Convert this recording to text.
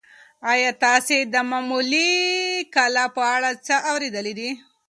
ایا تاسي د مغولي کلا په اړه څه اورېدلي دي؟